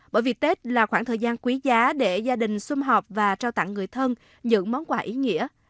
bởi vì tết là khoảng thời gian quý giá để gia đình xung họp và trao tặng người thân những món quà ý nghĩa